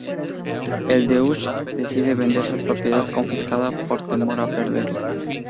El Deutsch decide vender su propiedad confiscada por temor a perderla.